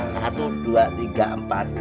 satu dua tiga empat